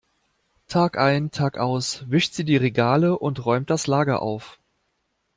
Tagein tagaus wischt sie die Regale und räumt das Lager auf.